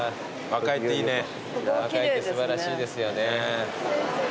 若いって素晴らしいですよね。